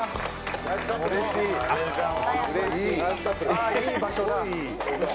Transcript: ああいい場所だ。